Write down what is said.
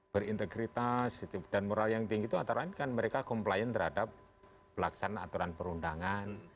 berintegritas dan moral yang tinggi itu antara lain kan mereka complian terhadap pelaksana aturan perundangan